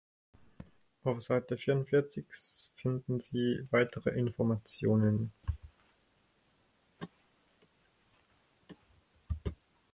Auf Seite vierundvierzig finden Sie weitere Informationen.